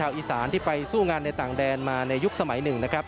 และก็มีการกินยาละลายริ่มเลือดแล้วก็ยาละลายขายมันมาเลยตลอดครับ